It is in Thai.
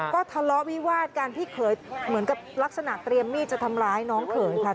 ก็ทะเลาะวิวาดกันพี่เขยเหมือนกับลักษณะเตรียมมีดจะทำร้ายน้องเขยค่ะ